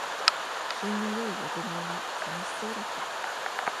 品の良い横顔が、さみしそうだった。